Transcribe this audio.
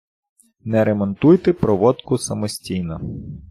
Не ремонтуйте проводку самостійно.